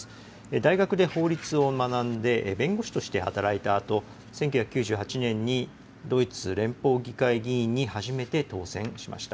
大学で法律を学んで、弁護士として働いたあと１９９８年にドイツ連邦議会議員に初めて当選しました。